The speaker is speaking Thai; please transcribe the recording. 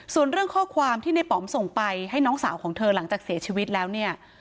ส่วนเรื่องข้อความที่ในป๋อมส่งไปให้น้องสาวของเธอหลังจากเสียชีวิตแล้วเนี่ย